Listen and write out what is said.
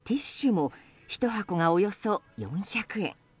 ティッシュも１箱がおよそ４００円。